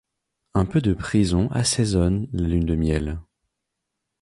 Un peu de prison assaisonne la lune de miel.